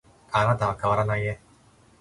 あなたは変わらないね